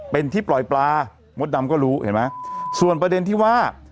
เป็นที่ปล่อยปลามดดำก็รู้เห็นไหมส่วนประเด็นที่ว่า